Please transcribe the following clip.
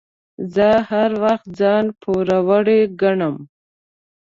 زه هر وخت ځان پوروړی ګڼم.